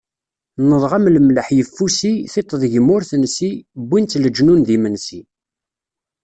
Nnḍeɣ-am lemlaḥ yeffusi, tiṭ deg-m ur tensi, wwin-tt leǧnun d imensi.